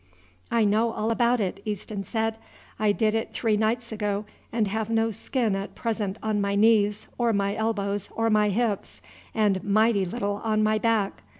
"I know all about it," Easton said. "I did it three nights ago, and have no skin at present on my knees or my elbows or my hips, and mighty little on my back.